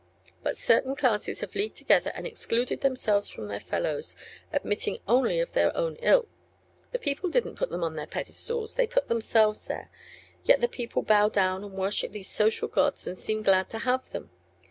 But certain classes have leagued together and excluded themselves from their fellows, admitting only those of their own ilk. The people didn't put them on their pedestals they put themselves there. Yet the people bow down and worship these social gods and seem glad to have them.